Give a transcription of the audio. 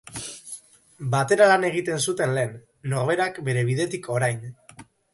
Batera lan egiten zuten lehen, norberak bere bidetik orain.